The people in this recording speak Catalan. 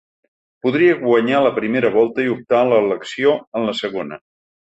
Podria guanyar la primera volta i optar a l’elecció en la segona.